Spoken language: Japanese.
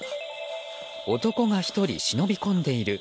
男が１人、忍び込んでいる。